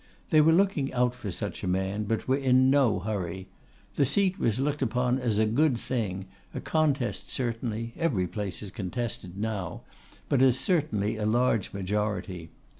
They were looking out for such a man, but were in no hurry. The seat was looked upon as a good thing; a contest certainly, every place is contested now, but as certainly a large majority.